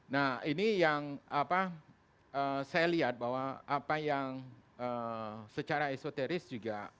nah ini yang saya lihat bahwa apa yang secara esoteris juga